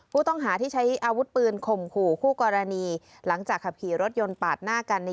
ผู้ต้องหาที่ใช้อาวุธปืนข่มขู่คู่กรณีหลังจากขับขี่รถยนต์ปาดหน้ากันใน